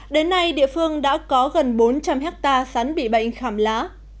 đến nay địa phương đã có gần bốn trăm linh hectare sắn bị bệnh khảm lá